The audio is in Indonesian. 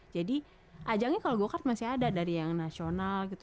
jadi ajangnya kalau go kart masih ada dari yang nasional gitu